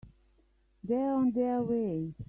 They're on their way.